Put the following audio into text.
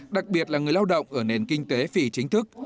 đặc biệt là người lao động ở nền kinh tế phì chính thức